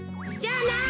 じゃあな！